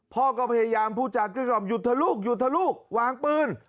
พ่อก็พยายามพูดจากกลื้กล่อมหยุดเถอะลูกหยุดเถอะลูกวางปืน